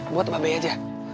buat mbak be aja